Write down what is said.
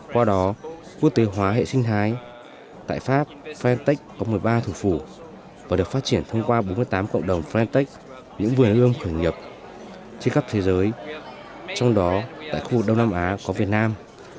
qua đó quốc tế hóa hệ sinh thái tại pháp frentec có một mươi ba thủ phủ và được phát triển thông qua bốn mươi tám cộng đồng frentec những vườn ươm khởi nghiệp trên khắp thế giới trong đó tại khu đông nam á có việt nam